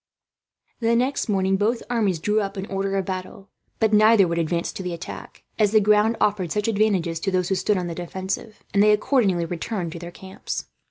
The next morning both armies drew up in order of battle; but neither would advance to the attack, as the ground offered such advantages to those who stood on the defensive; and they accordingly returned to their camps.